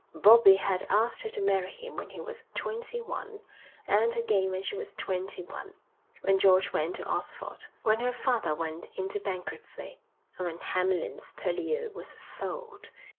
Bobbie had asked her to marry him when he was twenty one, and again when she was twenty one, when George went to Oxford, when her father went into bankruptcy, and when Hamlyn's Purlieu was sold.